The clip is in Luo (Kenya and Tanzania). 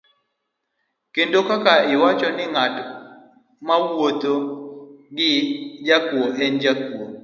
Kendo kaka iwacho ni ng'at mawuotho gi jakuo en jakuo.